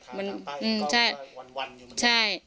เหมือนว่าทางข้างใต้มันก็วันอยู่ใช่